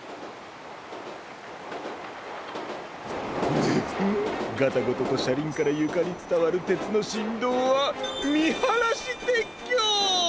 ンヅフッガタゴトとしゃりんからゆかにつたわるてつのしんどうはみはらしてっきょう！